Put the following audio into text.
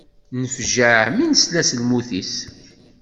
Nefjeε mi nesla s lmut-is.